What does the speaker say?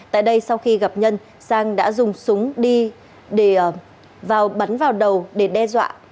tại đây sau khi gặp nhân sang đã dùng súng đi vào bắn vào đầu để đe dọa